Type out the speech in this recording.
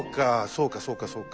そうかそうかそうか。